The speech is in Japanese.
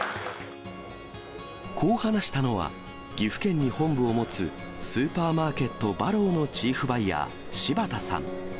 こう話したのは、岐阜県に本部を持つスーパーマーケット、バローのチーフバイヤー、柴田さん。